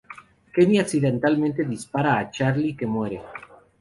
Kenny accidentalmente dispara a Charlie que muere.